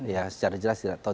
ya secara jelas tidak tahu